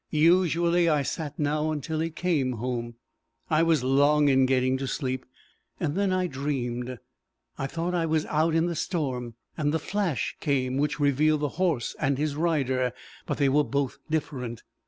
Usually, I sat now until he came home. I was long in getting to sleep, and then I dreamed. I thought I was out in the storm, and the flash came which revealed the horse and his rider, but they were both different.